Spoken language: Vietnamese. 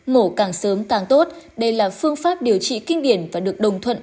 mổ càng sớm càng tốt đây là phương pháp điều trị kinh điển và được đồng thuận